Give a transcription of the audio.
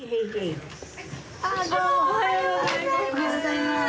おはようございます。